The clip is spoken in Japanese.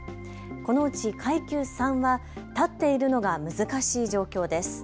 このうち階級３は立っているのが難しい状況です。